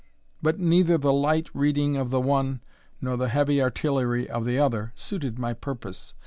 But neither the light reading of the one, nor the heavy artillery of the other, suited my purpose.